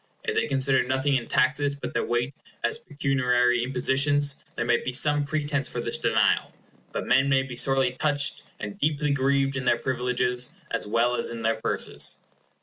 If they consider nothing in taxes but their weight as pecuniary impositions, there might be some pretence for this denial; but men may be sorely touched and deeply grieved in their privileges, as well as in their purses.